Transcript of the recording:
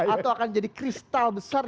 atau akan jadi kristal besar